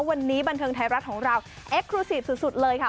วันนี้บันเทิงไทยรัฐของเราเอ็กครูซีฟสุดเลยค่ะ